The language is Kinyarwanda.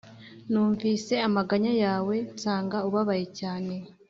«numvise amaganya yawe, nsanga ubabaye cyane,